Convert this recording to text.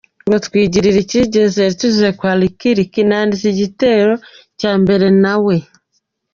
ngo Twigirire icyizere, tugeze kwa Lick Lick nanditse igitero cya mbere na we.